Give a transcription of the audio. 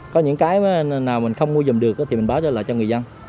có những cái nào mình không mua dùm được thì mình báo trả lại cho người dân